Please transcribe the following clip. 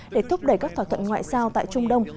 để thúc đẩy các thỏa thuận ngoại giao tại trung đông